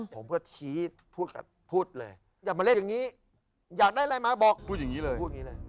ผมก็ฉี่พูดกันพูดเลยอย่ามาเล่นอย่างนี้อยากได้อะไรมาบอกพูดอย่างนี้เลย